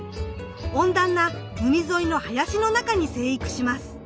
温暖な海沿いの林の中に生育します。